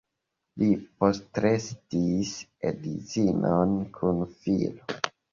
Li postrestis edzinon kun filo.